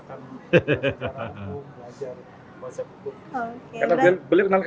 akan belajar agung belajar bahasa kukuh